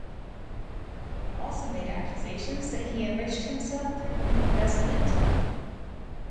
They also made accusations that he enriched himself through embezzlement.